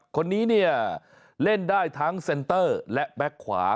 คนนี้เนี่ยเล่นได้ทั้งเซ็นเตอร์และแบ็คขวา